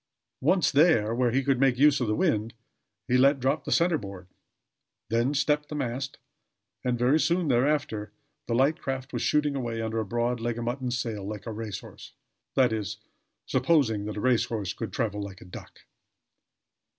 Once there, where he could make use of the wind, he let drop the center board; then stepped the mast, and very soon thereafter the light craft was shooting away under a broad leg of mutton sail, like a race horse, that is, supposing that a race horse could travel like a duck.